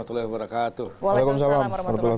selamat pagi assalamualaikum wr wb